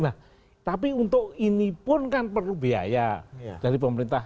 nah tapi untuk ini pun kan perlu biaya dari pemerintah